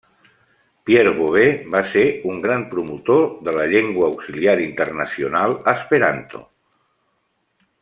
Pierre Bovet va ser un gran promotor de la llengua auxiliar internacional esperanto.